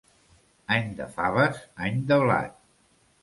Any de faves, any de blat.